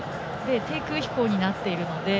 低空飛行になっているので。